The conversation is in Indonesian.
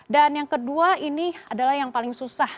dan yang kedua ini adalah yang paling susah